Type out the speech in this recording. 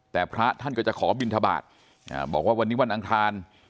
แต่พระท่านก็จะขอบินทบาทบอกว่าวันนี้วันอังคาร